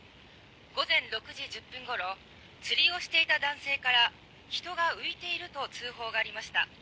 午前６時１０分ごろ釣りをしていた男性から人が浮いていると通報がありました。